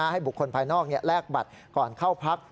บุคคลภายนอกแลกบัตรก่อนเข้าพัก